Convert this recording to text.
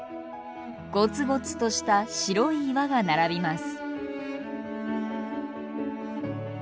ゴツゴツとした白い岩が並びます。